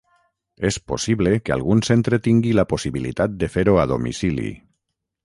És possible que algun centre tingui la possibilitat de fer-ho a domicili.